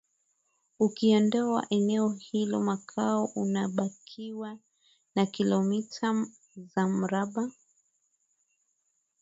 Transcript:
Ukiondoa eneo hilo Mkoa unabakiwa na Kilomita za mraba